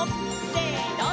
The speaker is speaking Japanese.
せの！